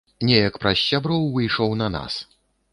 Неяк праз сяброў выйшаў на нас.